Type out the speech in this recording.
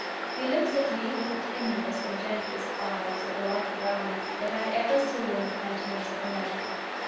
He looks at me with the tenderest and gentlest eyes (of a light brown) that I ever saw in the countenance of a man.